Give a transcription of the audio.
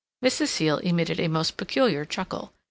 Mrs. Seal emitted a most peculiar chuckle.